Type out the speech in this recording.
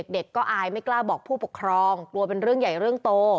เด็กก็อายไม่กล้าบอกผู้ปกครองกลัวเป็นเรื่องใหญ่เรื่องโต